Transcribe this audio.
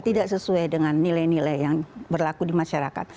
tidak sesuai dengan nilai nilai yang berlaku di masyarakat